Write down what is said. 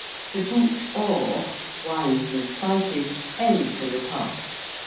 The boute hors (wines and spices) end the repast.